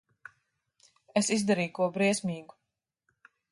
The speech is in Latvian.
Es izdarīju ko briesmīgu.